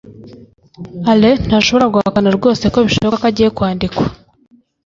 alain ntashobora guhakana rwose ko bishoboka ko agiye kwandikwa